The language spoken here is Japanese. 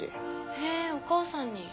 へぇお母さんに。